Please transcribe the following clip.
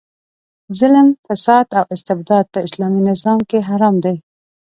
ظلم، فساد او استبداد په اسلامي نظام کې حرام دي.